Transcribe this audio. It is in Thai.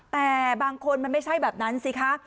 แต่บางคนมันไม่ใช่แบบนั้นสิคะ